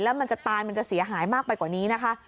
แล้วมันจะตายมันจะเสียหายมากไปกว่านี้นะคะ